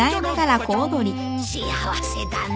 幸せだね。